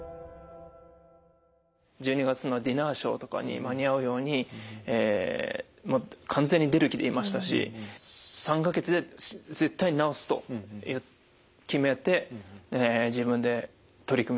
１２月のディナーショーとかに間に合うように完全に出る気でいましたし３か月で絶対に治すと決めて自分で取り組みましたね